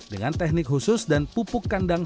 dengan teknik khusus dan pupuk kandang